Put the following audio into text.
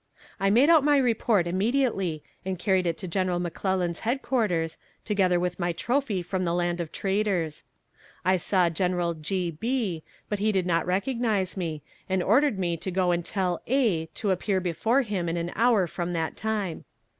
I made out my report immediately and carried it to General McClellan's headquarters, together with my trophy from the land of traitors. I saw General G. B., but he did not recognize me, and ordered me to go and tell A. to appear before him in an hour from that time.